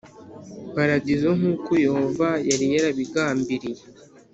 Paradizo nk uko yehova yari yarabigambiriye